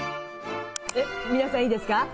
皆さんいいですか？